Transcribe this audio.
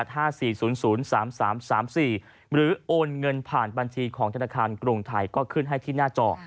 โอนเงินผ่านบัญชีของธนาคารกรุงไทยก็ขึ้นให้ที่หน้าจอ